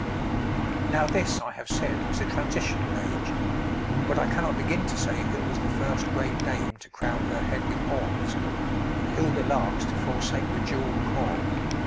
Now this, I have said, was a transitional age, but I cannot begin to say who was the first great dame to crown her head with horns, and who the last to forsake the jewelled caul.